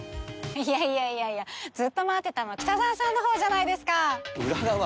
いやいやいやいやずっと待ってたの北澤さんのほうじゃないですか！